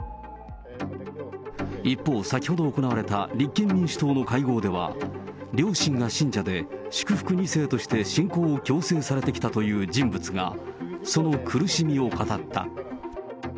一方、先ほど行われた立憲民主党の会合では、両親が信者で祝福２世として信仰を強制されてきたという人物が、その苦しみを語った。